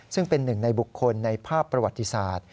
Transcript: ซึ่งเป็นหนึ่งในบุคคลในภาพประวัติศาสตร์